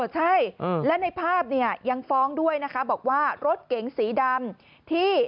ใช่และในภาพยังฟ้องด้วยบอกว่ารถเก๋งสีดำ